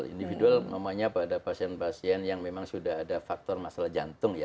individu namanya pada pacen pacen yang memang sudah ada faktor masalah jantung ya